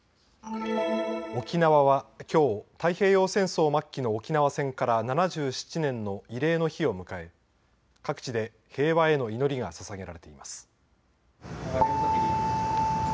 沖縄はきょう太平洋戦争末期の沖縄戦から７７年の慰霊の日を迎え、各地で平和への祈りがささげられています。